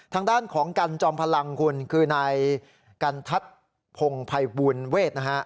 ทางด้านของกันจอมพลังคุณคือนายกันทัศน์พงภัยบูลเวทนะฮะ